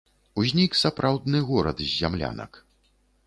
Узнік сапраўдны горад з зямлянак.